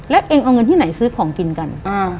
แล้วเองเอาเงินที่ไหนซื้อของกินกัน